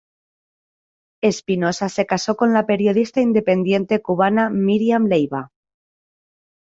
Espinosa se casó con la periodista independiente cubana Miriam Leiva.